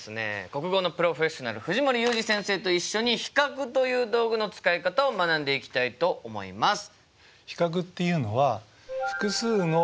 国語のプロフェッショナル藤森裕治先生と一緒に比較という道具の使い方を学んでいきたいと思います。